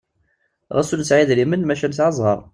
Ɣas ur nesɛi idrimen maca nesɛa zzheṛ!